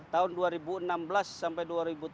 tahun dua ribu enam belas sampai dua ribu tujuh belas